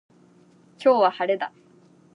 今日は、晴れだ。